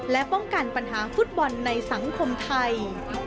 และป้องกันปัญหาฟุตบอลในสังคมไทย